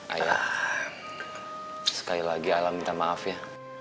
ayah sekali lagi alam minta maaf ya